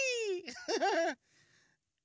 フフフ。